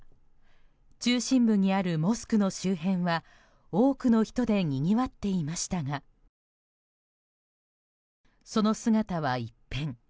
中心部にあるモスクの周辺は多くの人でにぎわっていましたがその姿は一変。